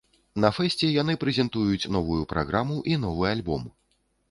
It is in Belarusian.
На фэсце яны прэзентуюць новую праграму і новы альбом!